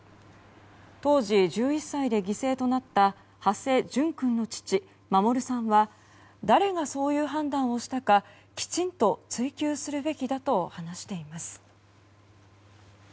当時１１歳で犠牲となった土師淳君の父・守さんは誰がそういう判断をしたかきちんと追及するべきだと話しています。